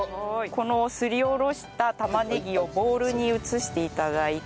このすりおろした玉ねぎをボウルに移して頂いて。